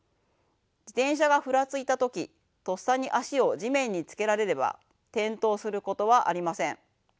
自転車がふらついた時とっさに足を地面に着けられれば転倒することはありません。